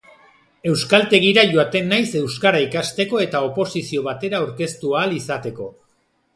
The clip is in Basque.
Euskaltegira joaten naiz euskara ikasteko eta oposizio batera aurkeztu ahal izateko.